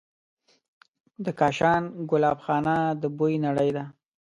د کاشان ګلابخانه د بوی نړۍ ده.